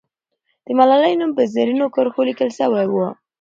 د ملالۍ نوم په زرینو کرښو لیکل سوی وو.